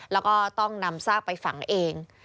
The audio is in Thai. แล้วก็ต้องนำซากไปฝังเอง